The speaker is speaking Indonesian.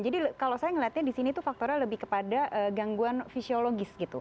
jadi kalau saya melihatnya di sini itu faktornya lebih kepada gangguan fisiologis gitu